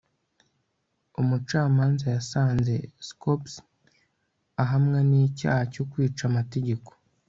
umucamanza yasanze scopes ahamwa n'icyaha cyo kwica amategeko